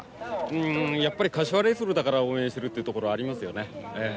うんやっぱり「柏レイソル」だから応援してるっていうところありますよね